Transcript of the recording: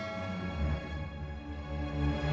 semoga gusti allah bisa menangkan kita